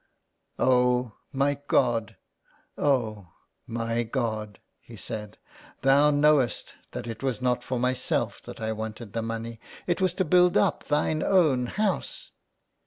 "Oh ! my God, oh ! my God,'' he said, " Thou knowest that it was not for myself that I wanted the money, it was to build up Thine Own House."